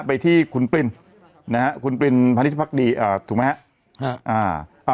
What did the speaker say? ไปที่คุณปรินนะฮะคุณปรินพาณิชภักดีถูกไหมฮะ